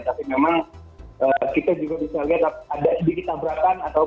tapi memang kita juga bisa lihat ada sedikit tabrakan